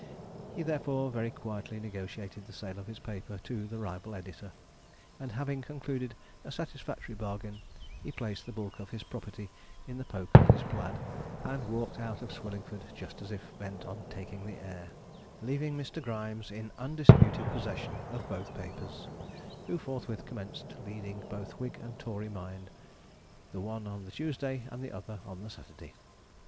He therefore very quietly negotiated the sale of his paper to the rival editor, and having concluded a satisfactory bargain, he placed the bulk of his property in the poke of his plaid, and walked out of Swillingford just as if bent on taking the air, leaving Mr. Grimes in undisputed possession of both papers, who forthwith commenced leading both Whig and Tory mind, the one on the Tuesday, the other on the Saturday.